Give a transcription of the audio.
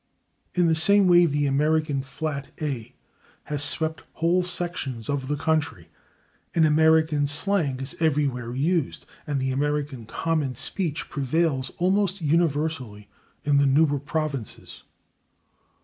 In the same way the American flat /a/ has swept whole sections of the country, and American slang is everywhere used, and the American common speech prevails almost universally in the newer provinces.